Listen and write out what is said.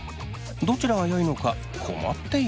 どちらがよいのか困っているそう。